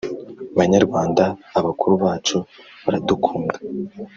Banyarwanda: abakuru bacu baradukunda